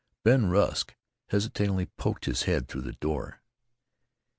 Ben Rusk hesitatingly poked his head through the door.